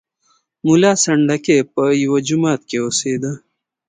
ملا سنډکی په یوه جومات کې اوسېدی.